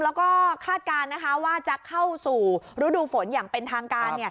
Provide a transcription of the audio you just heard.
แล้วก็คาดการณ์นะคะว่าจะเข้าสู่ฤดูฝนอย่างเป็นทางการ